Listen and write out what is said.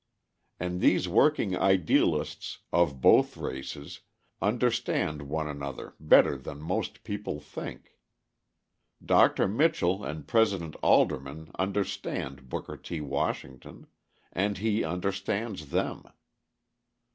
And these working idealists of both races understand one another better than most people think. Dr. Mitchell and President Alderman understand Booker T. Washington, and he understands them.